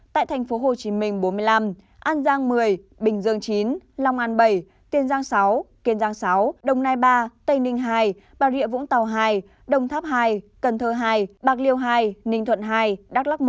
tại tp hcm bốn mươi năm an giang một mươi bình dương chín long an bảy tiền giang sáu kiên giang sáu đồng nai ba tây ninh hai bà rịa vũng tàu hai đồng tháp hai cần thơ hai bạc liêu hai ninh thuận hai đắk lắc một